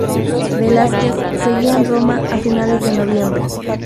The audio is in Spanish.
Velázquez seguía en Roma a finales de noviembre.